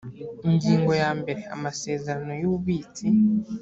ingingo ya mbere amasezerano y ububitsi